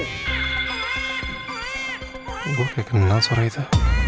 gue gak kenal suara itu